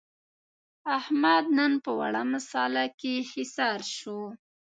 احمد نن په وړه مسعله کې حصار شو.